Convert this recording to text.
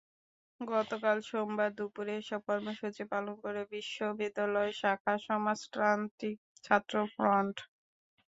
গতকাল সোমবার দুপুরে এসব কর্মসূচি পালন করে বিশ্ববিদ্যালয় শাখা সমাজতান্ত্রিক ছাত্রফ্রন্ট।